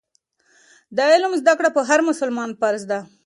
د علم زده کړه په هر مسلمان فرض ده.